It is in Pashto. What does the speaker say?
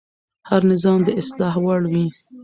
هر نظام د اصلاح وړ وي